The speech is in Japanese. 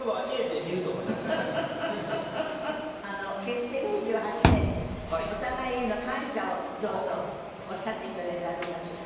結成２８年お互いへの感謝をどうぞおっしゃっていただいたらどうかしら？